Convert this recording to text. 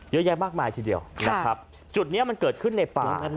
เยอะแยะมากมายทีเดียวนะครับจุดนี้มันเกิดขึ้นในป่านั้น